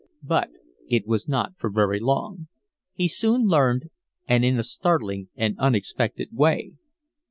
But it was not for very long; he soon learned, and in a startling and unexpected way.